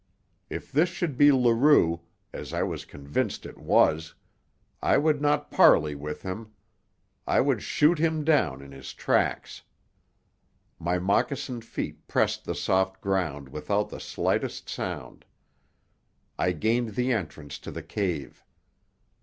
If this should be Leroux, as I was convinced it was, I would not parley with him. I would shoot him down in his tracks. My moccasined feet pressed the soft ground without the slightest sound. I gained the entrance to the cave.